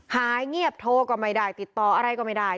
หายเงียบโทรก็ไม่ได้ติดต่ออะไรก็ไม่ได้